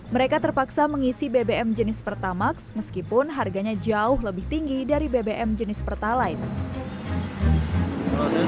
mereka terpaksa mengisi bbm jenis pertamax meskipun harganya jauh lebih tinggi dari bbm jenis pertalite